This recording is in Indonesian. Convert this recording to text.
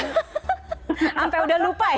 sampai udah lupa ya